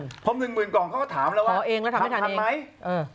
พอเป็นหนึ่งหมื่นกล่องเขาก็ถามแล้วว่าทำทันไหมขอเองแล้วทำไม่ทัน